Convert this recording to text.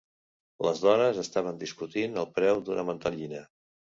Les dones estaven discutint el preu d'una mantellina.